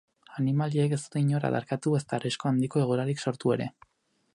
Animaliek ez dute inor adarkatu ezta arrisku handiko egoerarik sortu ere.